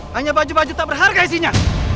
hanya baju baju tak berharga isinya